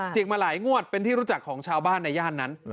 มาหลายงวดเป็นที่รู้จักของชาวบ้านในย่านนั้น